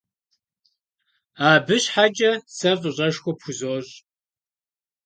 Абы щхьэкӏэ сэ фӏыщӏэшхуэ пхузощ.